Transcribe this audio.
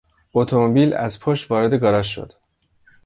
اتومبیل از پشت وارد گاراژ شد.